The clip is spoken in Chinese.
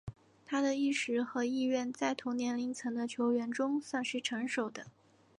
他的意识和意愿在同年龄层的球员中算是成熟的。